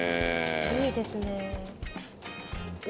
いいですね。